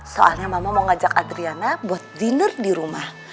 soalnya mama mau ngajak adriana buat dinner di rumah